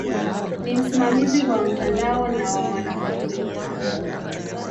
Ni msimamizi wa mtandao na wa wanafunzi.